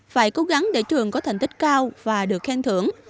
phải cố gắng để trường có thành tích cao và được khen thưởng